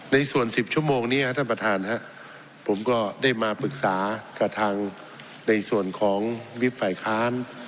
ในส่วน๑๐ชั่วโมงนี้ท่านประธานผมก็ได้มาปรึกษากับทางในส่วนของวิบฝ่ายค้าน